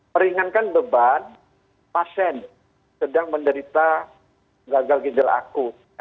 meringankan beban pasien sedang menderita gagal gijal aku